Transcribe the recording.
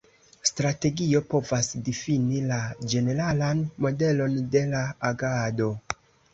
Strategio povas difini la ĝeneralan modelon de la agado.